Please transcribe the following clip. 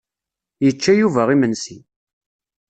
Yečča Yuba imensi.